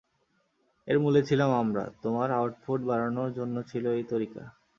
এর মূলে ছিলাম আমরা, তোমার আউটপুট বাড়ানোর জন্য ছিল এই তরিকা।